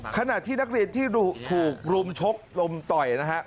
ขณะที่นักเรียนที่ถูกรุมชกรุมต่อยนะฮะ